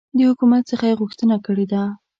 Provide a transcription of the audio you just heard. د حکومت څخه یي غوښتنه کړې ده